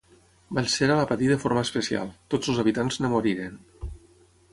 Vallsera la patí de forma especial: tots els habitants en moriren.